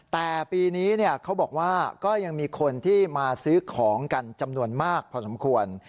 แต่ปีนี้เขาบอกว่าก็ยังมีคนที่มาซื้อของกันจำนวนมากพอสมควร